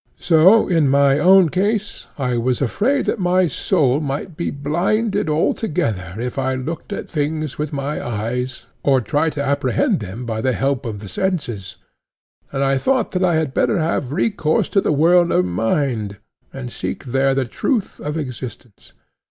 So in my own case, I was afraid that my soul might be blinded altogether if I looked at things with my eyes or tried to apprehend them by the help of the senses. And I thought that I had better have recourse to the world of mind and seek there the truth of existence.